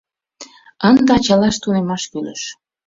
— Ынде ачалаш тунемаш кӱлеш.